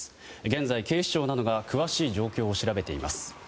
現在、警視庁などが詳しい状況を調べています。